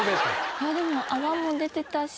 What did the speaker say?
でも泡も出てたし。